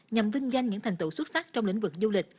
nhằm vinh danh những thành tựu xuất sắc trong lĩnh vực du lịch